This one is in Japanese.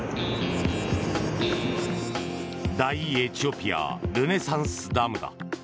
大エチオピア・ルネサンスダムだ。